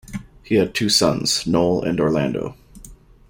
He had two sons, Noel and Orlando.